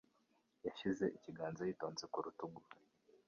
Yashyize ikiganza yitonze ku rutugu.